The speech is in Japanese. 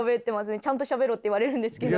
ちゃんとしゃべろって言われるんですけど。